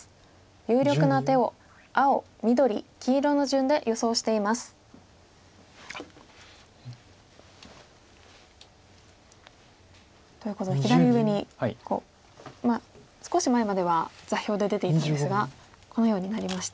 有力な手を青緑黄色の順で予想しています。ということで左上に少し前までは座標で出ていたんですがこのようになりまして。